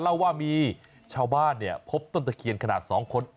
เล่าว่ามีชาวบ้านพบต้นตะเคียนขนาด๒คน